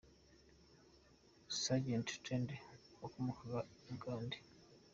– Sgt Sandy wakomokaga I Bugande.